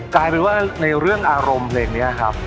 กลายเป็นว่าในเรื่องอารมณ์เพลงนี้ครับ